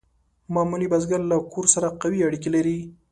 معمولي بزګر له کور سره قوي اړیکې لرلې.